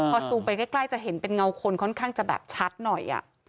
พอซูมไปใกล้จะเห็นเป็นเงาคนค่อนข้างจะแบบชัดหน่อย